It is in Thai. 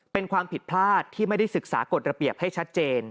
เป็นความผิดพลาดที่ไม่ได้ศึกษากฎระเบียบให้ชัดเจน